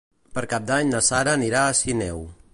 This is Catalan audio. Per Cap d'Any na Sara anirà a Sineu.